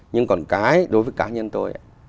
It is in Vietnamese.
nhưng còn cái đối với cá nhân tôi